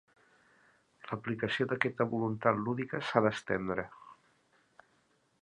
L'aplicació d'aquesta voluntat lúdica s'ha d'estendre.